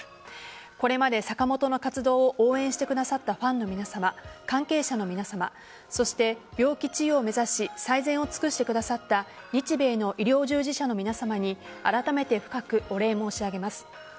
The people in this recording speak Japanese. これまで坂本の活動を応援してくださったファンの皆さま関係者の皆さまそして病気治癒を目指し最善を尽くしてくださった日米の医療従事者の皆さまにあらためて深く御礼申し上げます。